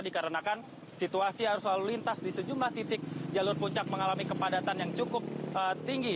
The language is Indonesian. dikarenakan situasi arus lalu lintas di sejumlah titik jalur puncak mengalami kepadatan yang cukup tinggi